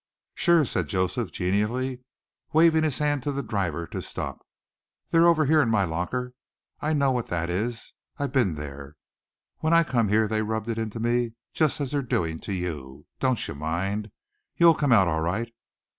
"Sure," said Joseph genially waving his hand to the driver to stop. "They're over here in my locker. I know what that is. I been there. When I come here they rubbed it into me jist as they're doin' to you. Doncher mind. You'll come out all right.